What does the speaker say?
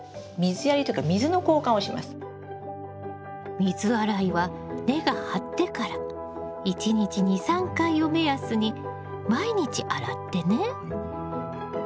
水洗いは根が張ってから１日２３回を目安に毎日洗ってね。